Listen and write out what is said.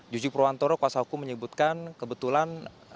juju perwanto rokwasaku menyebutkan kebetulan